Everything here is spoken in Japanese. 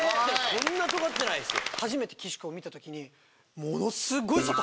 そんなとがってないですよ。